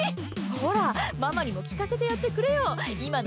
ほら、ママにも聞かせてやってくれよ。